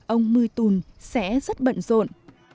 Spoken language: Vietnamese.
ông mưu tùn sẽ rất bận rộn